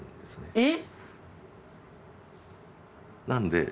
えっ？